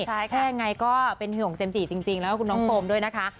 แค่ไงก็เป็นห่วงเจมส์จี้จริงแล้วก็คุณน้องโฟมด้วยนะคะ